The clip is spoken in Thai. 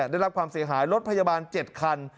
ได้รับความเสียหายรถพยาบาล๗คัน